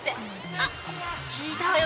あっ聞いたわよ